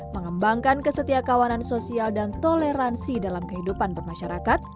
mengembangkan kesetiakawanan sosial dan toleransi dalam kehidupan bermasyarakat